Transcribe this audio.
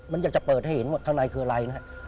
มันอยากจะเปิดให้เห็นว่าข้างในคืออะไรนะครับ